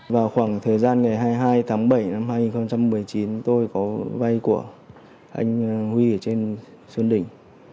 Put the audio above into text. vào khoảng thời gian ngày hai mươi hai tháng bảy năm hai nghìn một mươi chín tôi có vay của anh huy ở trên xuân đỉnh